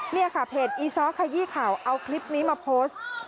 นี่ค่ะเพจอีซ้อขยี้ข่าวเอาคลิปนี้มาโพสต์